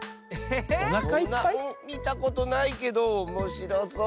みたことないけどおもしろそう。